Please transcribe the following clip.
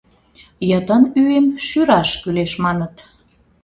— Йытын ӱйым шӱраш кӱлеш, маныт.